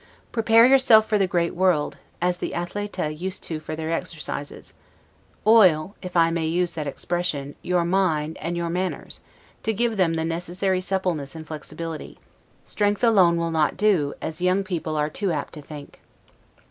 Prepare yourself for the great world, as the 'athletae' used to do for their exercises: oil (if I may use that expression) your mind and your manners, to give them the necessary suppleness and flexibility; strength alone will not do, as young people are too apt to think.